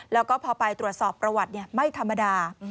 แล้วก็พอไปตรวจสอบประวัติไม่ธรรมดา